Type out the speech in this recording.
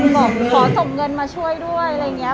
บอกขอส่งเงินมาช่วยด้วยอะไรอย่างนี้